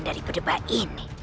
dari pedeba ini